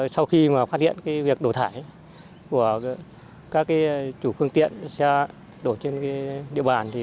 sau khi mà phát hiện cái việc đổ thải của các chủ phương tiện xe đổ trên địa bàn